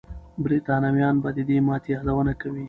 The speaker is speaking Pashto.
برتانويان به د دې ماتې یادونه کوي.